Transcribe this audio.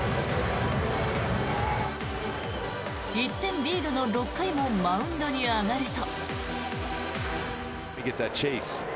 １点リードの６回もマウンドに上がると。